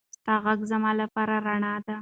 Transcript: ستا غږ زما لپاره رڼا ده.